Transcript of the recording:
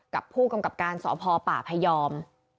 พั่วพวกกำกันศพป่าพยอม